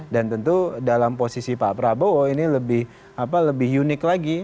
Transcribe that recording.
dan tentu dalam posisi pak prabowo ini lebih unik lagi